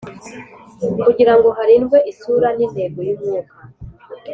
Kugirango harindwe isura n intego y umwuka